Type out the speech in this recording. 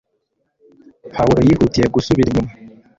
Pawulo yihutiye gusubira inyuma